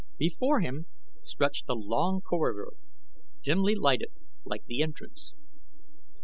Before him stretched a long corridor, dimly lighted like the entrance.